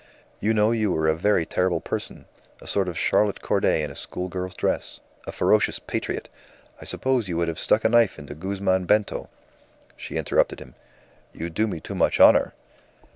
"You know you were a very terrible person, a sort of Charlotte Corday in a schoolgirl's dress; a ferocious patriot. I suppose you would have stuck a knife into Guzman Bento?" She interrupted him. "You do me too much honour."